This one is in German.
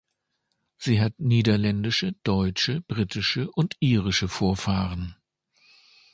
Sie hat niederländische, deutsche, britische und irische Vorfahren.